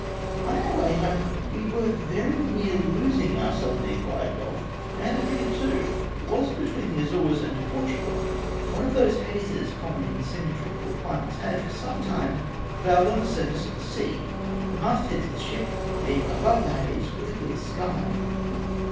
On our way home we were very near losing our suddenly acquu'cd wealth and the frigate too. Wliilst between the Azores and Portugal, one of those hazes common in semi tropical chmates, had for some time prevailed on the surflice of the sea, the mast heads of the ship being above the haze, with a clear sky.